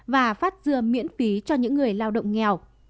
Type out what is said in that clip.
và phát dưa miễn phí cho những người lao động nghèo